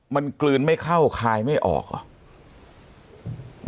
มันกลืนไม่เข้าคายไม่ออกเหรอ